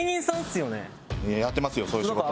やってますよそういう仕事も。